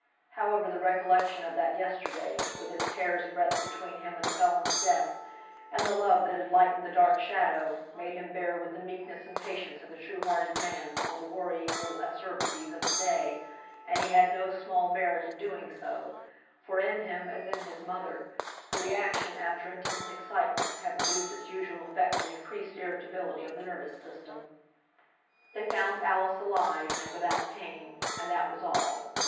However, the recollection of that yesterday, with its hair's breadth between him and a felon's death, and the love that had lightened the dark shadow, made him bear with the meekness and patience of a true hearted man all the worrying little acerbities of to day; and he had no small merit in so doing; for in him, as in his mother, the re action after intense excitement had produced its usual effect in increased irritability of the nervous system. They found Alice alive, and without pain. And that was all.